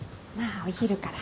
お昼から。